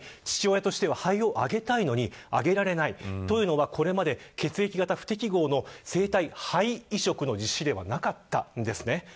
父親としては肺をあげたいのにあげられないというのがこれまで血液型不適合の生体肺移植の実施例はなかったんです。